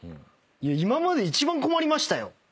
今までで一番困りましたよ。